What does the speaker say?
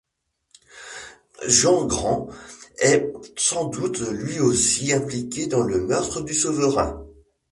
Jans Grand est sans doute lui aussi impliqué dans le meurtre du souverain.